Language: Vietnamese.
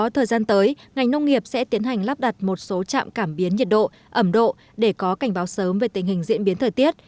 thời gian tới ngành nông nghiệp sẽ tiến hành lắp đặt một số trạm cảm biến nhiệt độ ẩm độ để có cảnh báo sớm về tình hình diễn biến thời tiết